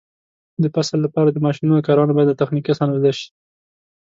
د فصل لپاره د ماشینونو کارونه باید له تخنیکي کسانو زده شي.